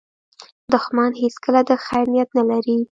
دښمن هیڅکله د خیر نیت نه لري